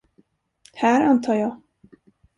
Här, antar jag.